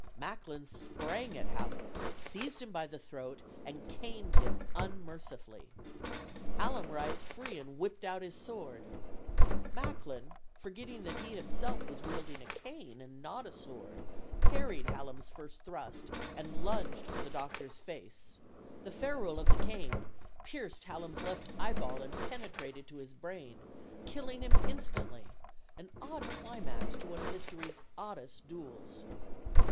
Macklin sprang at Hallam, seized him by the throat, and caned him unmercifully. Hallam writhed free and whipped out his sword. Macklin, forgetting that he himself was wielding a cane and not a sword, parried Hallam's first thrust and lunged for the doc tor's face. The ferrule of the cane pierced Hallam's left eyeball and penetrated to his brain, killing him instantly an odd climax to one of history's oddest duels.